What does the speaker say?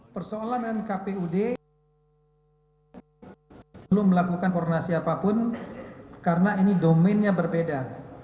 persoalan kpud belum melakukan koordinasi apapun karena ini domennya berbeda